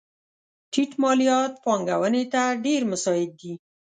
ټیټ مالیات پانګونې ته ډېر مساعد دي.